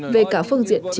về cả phương diện của ukraine